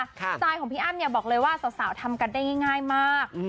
สไตล์ของพี่อ้ำเนี่ยบอกเลยว่าสาวทำกันได้ง่ายมาก